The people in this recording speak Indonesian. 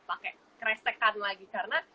pakai kresek an lagi karena